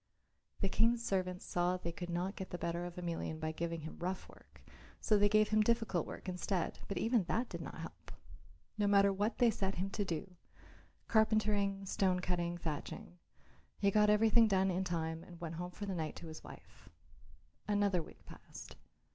The King's servants saw that they could not get the better of Emelian by giving him rough work so they gave him difficult work instead, but even that did not help. No matter what they set him to do carpentering, stone cutting, thatching he got everything done in time and went home for the night to his wife. Another week passed.